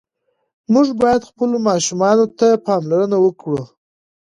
موږ باید خپلو ماشومانو ته پاملرنه وکړو.